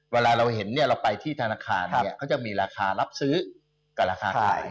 เวลาเราเห็นเราไปที่ธนาคารเนี่ยเขาจะมีราคารับซื้อกับราคาขาย